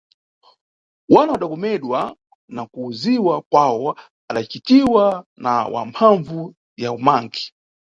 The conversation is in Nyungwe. Wana wadakomedwa na kuwuziwa kwawo adacitiwa na wamphambvu ya umangi.